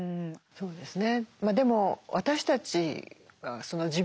そうですね。